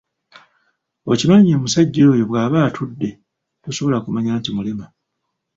Okimanyi omusajja oyo bwaba atudde tosobola kumanya nti mulema